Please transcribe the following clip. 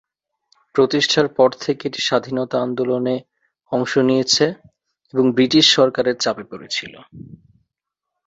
প্রতিষ্ঠার পর থেকে এটি স্বাধীনতা আন্দোলনে অংশ নিয়েছে এবং ব্রিটিশ সরকারের চাপে পড়েছিল।